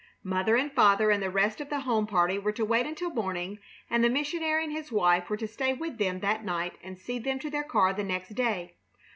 Mother and father and the rest of the home party were to wait until morning, and the missionary and his wife were to stay with them that night and see them to their car the next day.